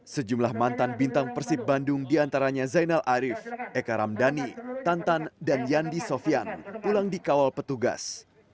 sejumlah mantan bintang persib bandung diantaranya zainal arief eka ramdhani tantan dan yandi sofian pulang dikawal petugas